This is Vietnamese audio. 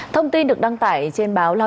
thông tin được đăng tải trên báo là